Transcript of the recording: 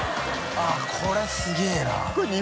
これすげぇな。